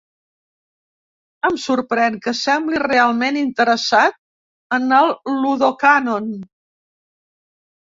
Em sorprèn que sembli realment interessat en el Ludocànon.